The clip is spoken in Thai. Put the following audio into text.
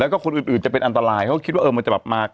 แล้วก็คนอื่นจะเป็นอันตรายเขาก็คิดว่าเออมันจะแบบมา